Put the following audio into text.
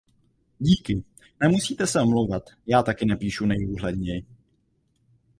Díky, nemusíte se omlouvat já taky nepíšu nejúhledněji.